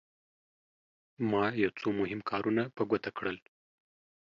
ما یو څو مهم کارونه په ګوته کړل.